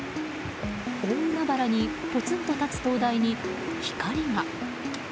大海原にぽつんと立つ灯台に光が。